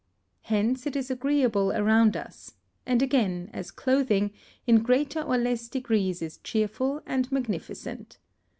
Hence it is agreeable around us, and again, as clothing, in greater or less degrees is cheerful and magnificent.